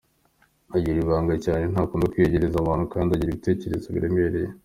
Agira ibanga cyane, ntakunda kwiyegereza abantu kandi agira ibitekerezo biremereye.